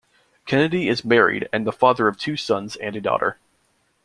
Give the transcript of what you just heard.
Kennedy is married and the father of two sons and a daughter.